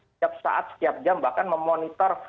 setiap saat setiap jam bahkan memonitor